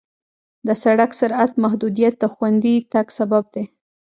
د سړک سرعت محدودیت د خوندي تګ سبب دی.